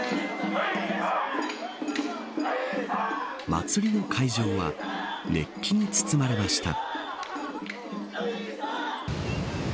祭りの会場は熱気に包まれました